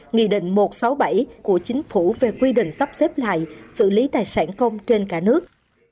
nghị định một trăm sáu mươi bảy của chính phủ về quy định sắp xếp lại xử lý tài sản công trên cả nước